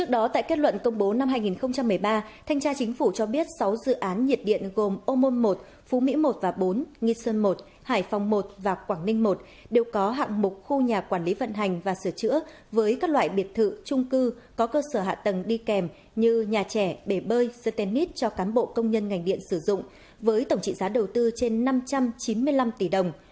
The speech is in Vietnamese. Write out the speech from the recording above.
sáu dự án nhiệt điện gồm ômôn một phú mỹ một và bốn nghi sơn một hải phòng một và quảng ninh một đều có hạng mục khu nhà quản lý vận hành và sửa chữa với các loại biệt thự trung cư có cơ sở hạ tầng đi kèm như nhà trẻ bể bơi stennis cho cán bộ công nhân ngành điện sử dụng với tổng trị giá đầu tư trên năm trăm chín mươi năm tỷ đồng